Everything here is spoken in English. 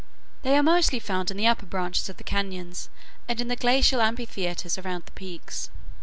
They are mostly found in the upper branches of the cañons, and in the glacial amphitheaters around the peaks.